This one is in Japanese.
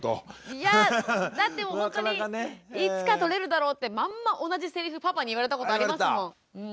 いやだってほんとにいつかとれるだろうってまんま同じセリフパパに言われたことありますもん。